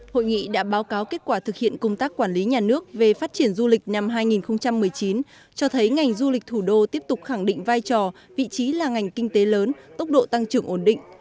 hội nghị đã báo cáo kết quả thực hiện công tác quản lý nhà nước về phát triển du lịch năm hai nghìn một mươi chín cho thấy ngành du lịch thủ đô tiếp tục khẳng định vai trò vị trí là ngành kinh tế lớn tốc độ tăng trưởng ổn định